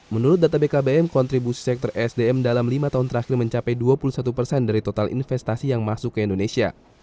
menurut data bkbm kontribusi sektor esdm dalam lima tahun terakhir mencapai dua puluh satu persen dari total investasi yang masuk ke indonesia